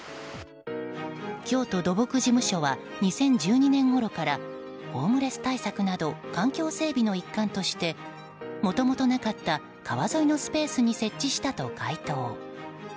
京都土木事務所は２０１２年ごろからホームレス対策など環境整備の一環としてもともとなかった川沿いのスペースに設置したと回答。